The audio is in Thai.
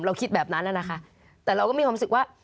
คิดแบบนั้นนะคะแต่เราก็มีความรู้สึกว่า